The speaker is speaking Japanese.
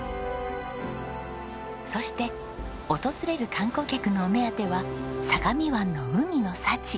そして訪れる観光客のお目当ては相模湾の海の幸。